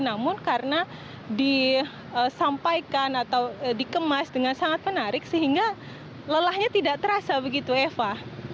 namun karena disampaikan atau dikemas dengan sangat menarik sehingga lelahnya tidak terasa begitu eva